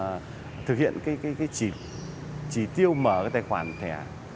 các nhân viên ngân hàng đang thực hiện chỉ tiêu mở tài khoản thẻ